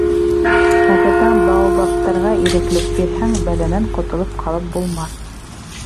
Ә бына баобабтарға иреклек бирһәң, бәләнән ҡотолоп ҡалып булмаҫ.